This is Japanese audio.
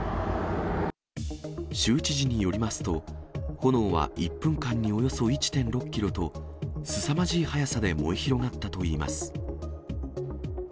州知事によりますと、炎は１分間におよそ１．６キロと、すさまじい速さで燃え広がったといいます。